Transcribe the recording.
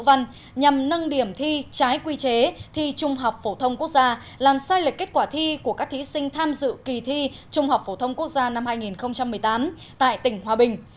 văn nhằm nâng điểm thi trái quy chế thi trung học phổ thông quốc gia làm sai lệch kết quả thi của các thí sinh tham dự kỳ thi trung học phổ thông quốc gia năm hai nghìn một mươi tám tại tỉnh hòa bình